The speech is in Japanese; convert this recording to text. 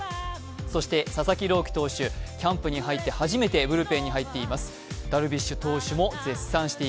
そして佐々木朗希投手、キャンプに入って初めてブルペンに入っています。